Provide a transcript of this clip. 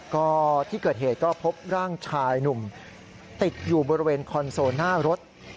ก็ที่เกิดเหตุก็พบร่างชายหนุ่มติดอยู่บริเวณคอนโซลหน้ารถ